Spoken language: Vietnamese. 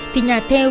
thì nhà thêu